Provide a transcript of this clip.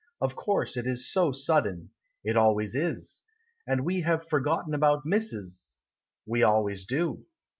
Of course it is so sudden. It always is. And we have forgotten about Mrs. We always do.